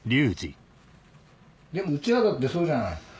でもうちらだってそうじゃない。